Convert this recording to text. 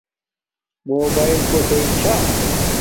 موباݵل کوسݵ چھا